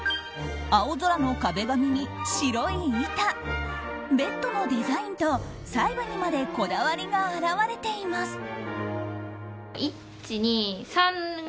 青空の壁紙に白い板ベッドのデザインと細部にまでこだわりが表れています。